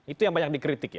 itu yang banyak dikritik ya